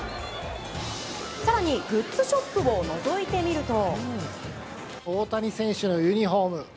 更にグッズショップをのぞいてみると。